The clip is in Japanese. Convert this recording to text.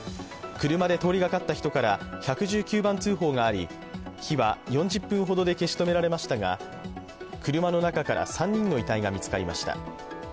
車で通りがかった人から１１９番通報があり、火は４０分ほどで消し止められましたが、車の中から３人の遺体が見つかりました。